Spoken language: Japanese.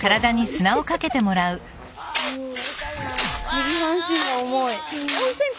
右半身が重い。